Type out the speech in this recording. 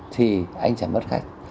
thì anh sẽ mất khách